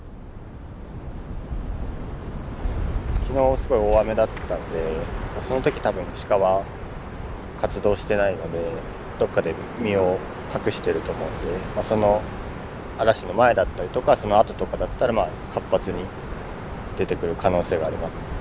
昨日すごい大雨だったんでその時多分鹿は活動してないのでどっかで身を隠してると思うのでその嵐の前だったりとかそのあととかだったらまあ活発に出てくる可能性があります。